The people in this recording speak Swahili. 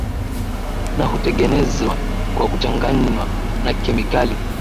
na hutengenezwa kwa kuchanganywa na kemikali